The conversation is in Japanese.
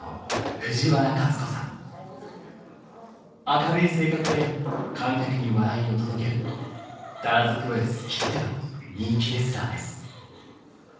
明るい性格で観客に笑いを届けるだらずプロレスきっての人気レスラーです。